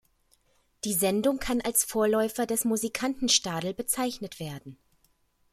Die Sendung kann als Vorläufer des Musikantenstadl bezeichnet werden.